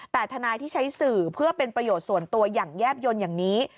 แต่ทนายที่ใช้สื่อเพื่อเป็นประโยชน์ส่วนตัวอย่างแยบยนต์อย่างนี้